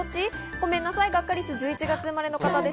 ごめんなさい、ガッカりすは１１月生まれの方です。